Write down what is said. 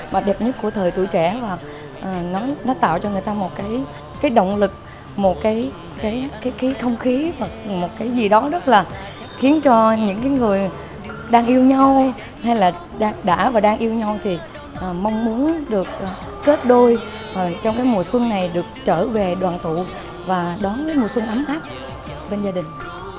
mà đẹp nhất của thời tuổi trẻ và nó tạo cho người ta một cái động lực một cái thông khí và một cái gì đó rất là khiến cho những người đang yêu nhau hay là đã và đang yêu nhau thì mong muốn được kết đôi trong cái mùa xuân này được trở về đoàn tụ và đón mùa xuân ấm áp bên gia đình